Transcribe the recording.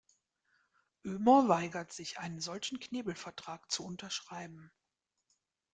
Ömer weigert sich, einen solchen Knebelvertrag zu unterschreiben.